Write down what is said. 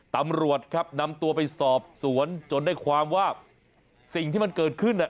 ตำรวจครับนำตัวไปสอบสวนจนได้ความว่าสิ่งที่มันเกิดขึ้นเนี่ย